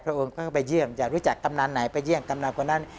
องค์ก็ไปเยี่ยมอยากรู้จักกำนันไหนไปเยี่ยมกำนันคนนั้น